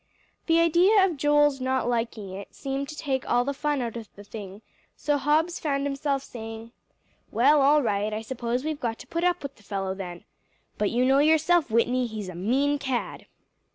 The idea of Joel's not liking it, seemed to take all the fun out of the thing; so Hobbs found himself saying, "Well, all right, I suppose we've got to put up with the fellow then. But you know yourself, Whitney, he's a mean cad."